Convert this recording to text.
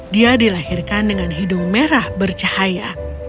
dia dilahirkan dengan hidung merah bercahaya